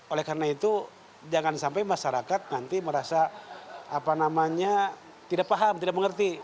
oleh karena itu jangan sampai masyarakat nanti merasa tidak paham tidak mengerti